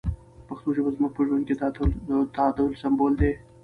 پښتو ژبه زموږ په ژوند کې د تعادل سمبول دی.